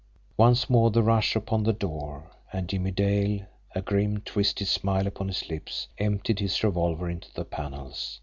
Once more the rush upon the door and Jimmie Dale, a grim, twisted smile upon his lips, emptied his revolver into the panels.